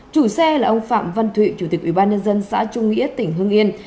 chủ xe là ông phạm văn thủy chủ tịch ubnd xã trung nghĩa tỉnh hưng yên